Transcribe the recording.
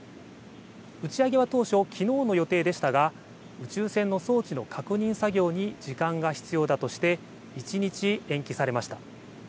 打ち上げは当初、きのうの予定でしたが宇宙船の装置の確認作業に時間が必要だとして一日延期されました。